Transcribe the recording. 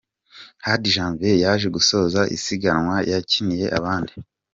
Hadi Janvier yaje gusoza isiganwa yanikiye abandi .